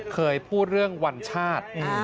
เคยพูดเรื่องวันชาติ